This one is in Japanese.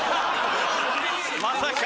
まさか！